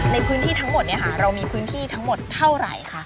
ในพื้นที่ทั้งหมดเรามีพื้นที่ทั้งหมดเท่าไหร่คะ